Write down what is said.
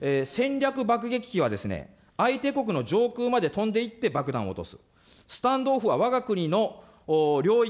戦略爆撃機は、相手国の上空まで飛んでいって爆弾を落とす。